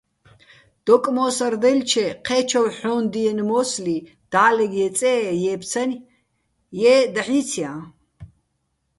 დოკმო́სადაჲლჩე, ჴე́ჩოვ ჰოჼ ჲიენო̆ მო́სლი დალეგ ჲეწეე ჲეფცანი̆, ჲე დაჰ̦ ჲიცჲაჼ.